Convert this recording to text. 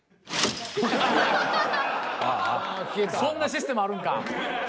そんなシステムあるんか。